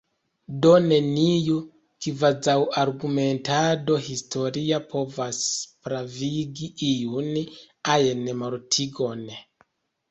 Do, neniu kvazaŭargumentado historia povas pravigi iun ajn mortigon.